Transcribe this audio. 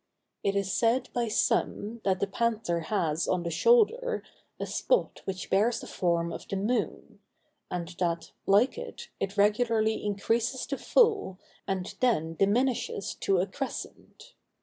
It is said by some, that the panther has, on the shoulder, a spot which bears the form of the moon; and that, like it, it regularly increases to full, and then diminishes to a crescent.